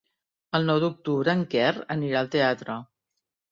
El nou d'octubre en Quer anirà al teatre.